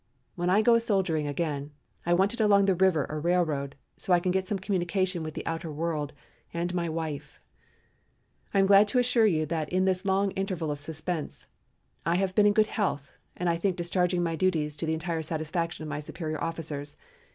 When I go a soldiering again I want it along a river or railroad so I can get some communication with the outer world and my wife. "I am glad to assure you that in this long interval of suspense I have been in good health and I think discharging my duties to the entire satisfaction of my superior officers.